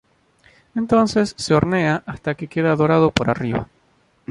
Entonces se hornea hasta que queda dorado por arriba.